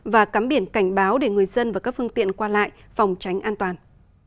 và cắm biển cảnh báo để người dân và các phương tiện qua lại phòng tránh an toàn